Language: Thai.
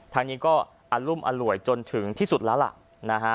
ทางนี้ก็อรุมอร่วยจนถึงที่สุดแล้วล่ะนะฮะ